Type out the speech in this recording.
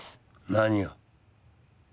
何を？